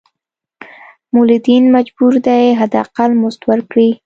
مولدین مجبور دي حد اقل مزد ورکړي.